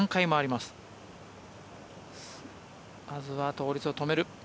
まずは倒立を止める。